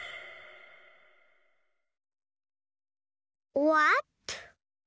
うわっと？